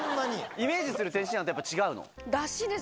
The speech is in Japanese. イメージする天津飯とやっぱり違うの？